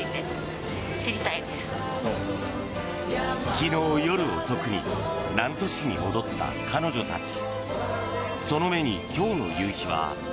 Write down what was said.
昨日夜遅くに南砺市に戻った彼女たち。